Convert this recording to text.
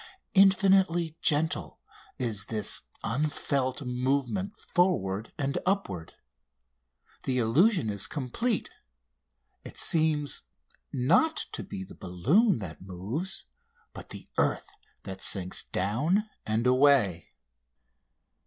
Infinitely gentle is this unfelt movement forward and upward. The illusion is complete: it seems not to be the balloon that moves but the earth that sinks down and away.